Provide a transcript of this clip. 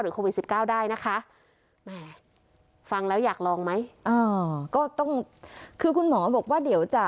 โควิด๑๙ได้นะคะแหมฟังแล้วอยากลองไหมอ่าก็ต้องคือคุณหมอบอกว่าเดี๋ยวจะ